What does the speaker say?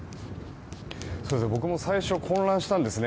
僕も最初混乱したんですね。